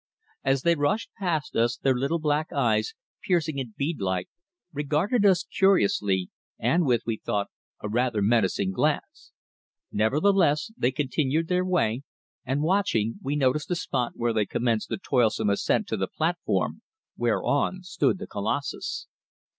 As they rushed past us their little black eyes, piercing and bead like, regarded us curiously, and with, we thought, a rather menacing glance; nevertheless they continued their way, and watching, we noticed the spot where they commenced the toilsome ascent to the platform whereon stood the colossus.